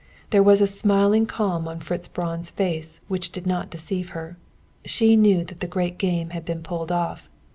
There was a smiling calm on Fritz Braun's face which did not deceive her. She knew that the great game had been pulled off.